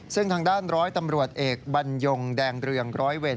ซึ่งทางด้านร้อยตำรวจเอกบรรยงแดงเรืองร้อยเวร